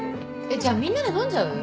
えっじゃあみんなで飲んじゃう？